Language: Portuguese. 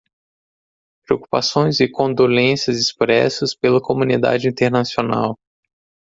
Preocupações e condolências expressas pela comunidade internacional